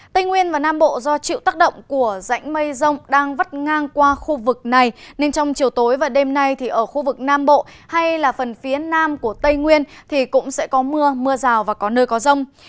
tây nguyên và nam bộ do chịu tác động của rãnh mây rông đang vắt ngang qua khu vực này nên trong chiều tối và đêm nay thì ở khu vực nam bộ hay là phần phía nam của tây nguyên thì cũng sẽ có mưa mưa rào và có nơi có rông